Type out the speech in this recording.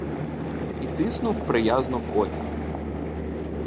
І тиснув приязно коня.